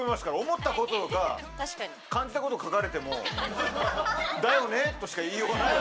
思った事とか感じた事を書かれても「だよね」としか言いようがない。